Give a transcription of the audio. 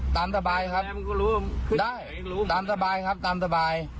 ตามสบายครับตามสบายครับตามสบาย